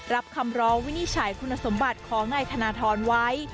รับคำร้องวินิจฉัยคุณสมบัติของนายธนทรไว้